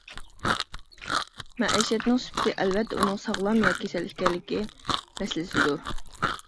مەئىشەتنىڭ سۈپىتى ئەلۋەتتە ئۇنىڭ ساغلام ياكى كېسەل ئىكەنلىكى مەسىلىسىدۇر.